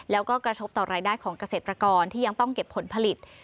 แล้วก็กระทบต่อรายได้ของเกษตรกรที่ยังต้องเก็บผลผลิต